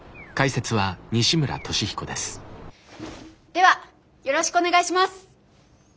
ではよろしくお願いします！